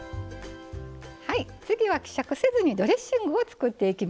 はい次は希釈せずにドレッシングを作っていきますよ。